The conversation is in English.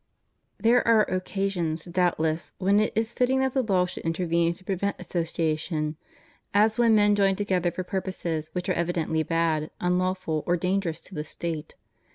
There are occasions, doubtless, when it is fitting that the law should intervene to prevent association; as when men join together for purposes which are evidently bad, unlaw ful, or dangerous to the State.